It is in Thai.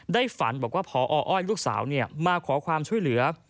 ฝันบอกว่าพออ้อยลูกสาวมาขอความช่วยเหลือ